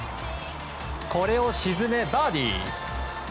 これを沈め、バーディー！